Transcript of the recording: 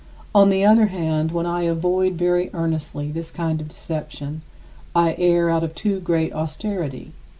50. On the other hand, when I avoid very earnestly this kind of deception, I err out of too great austerity.